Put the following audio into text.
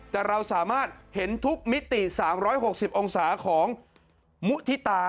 แต่เราสามารถเห็นทุกมิติ๓๖๐องศาของมุฒิตา